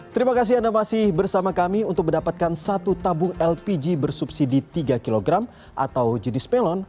terima kasih anda masih bersama kami untuk mendapatkan satu tabung lpg bersubsidi tiga kg atau jenis pelon